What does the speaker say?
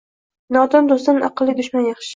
Nodon do’stdan aqlli dushman yaxshi.